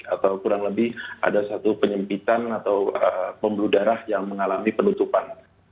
atau kurang lebih ada satu penyempitan atau pembuluh darah yang mengalami penutupan